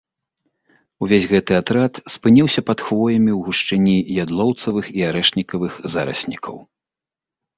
Увесь гэты атрад спыніўся пад хвоямі ў гушчыні ядлоўцавых і арэшнікавых зараснікаў.